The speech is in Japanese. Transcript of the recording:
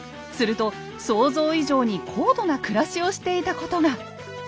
すると想像以上に高度な暮らしをしていたことが。